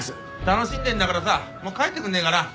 楽しんでんだからさもう帰ってくんねえかな。